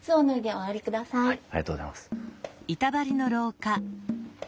ありがとうございます。